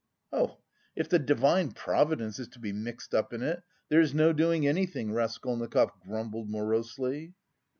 "Oh, if the Divine Providence is to be mixed up in it, there is no doing anything," Raskolnikov grumbled morosely.